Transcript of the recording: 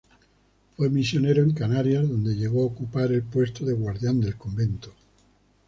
Fue misionero en Canarias donde llegó a ocupar el puesto de guardián del convento.